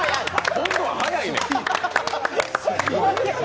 今度は早いねん！